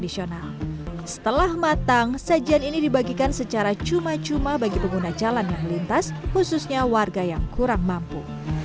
setelah matang sajian ini dibagikan secara cuma cuma bagi pengguna jalan yang melintas khususnya warga yang kurang mampu